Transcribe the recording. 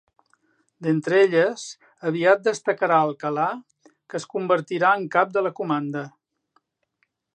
D'entre elles aviat destacarà Alcalà, que es convertirà en cap de la comanda.